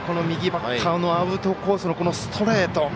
右バッターのアウトコースへのストレート。